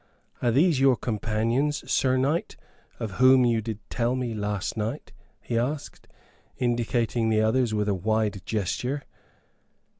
"Are these your companions, Sir Knight, of whom you did tell me last night?" he asked, indicating the others with a wide gesture.